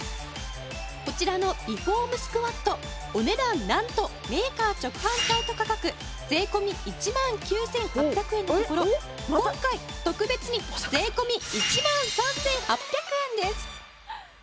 こちらの美フォームスクワットお値段なんとメーカー直販サイト価格税込１万９８００円のところ今回特別に税込１万３８００円です。